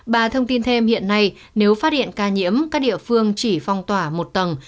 bà thông tin thêm hiện nay nếu phát hiện ca nhiễm các địa phương chỉ phong tỏa một tầng